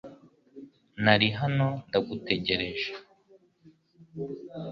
Nari hano ndagutegereje .